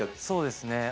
そうですね。